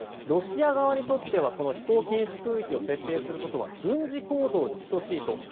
ロシア側にとっては飛行禁止空域を設定することは軍事行動に等しいと。